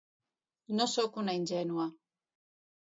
No sóc una ingènua.